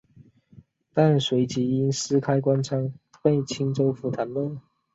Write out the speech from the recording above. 但随即因私开官仓被青州府弹劾。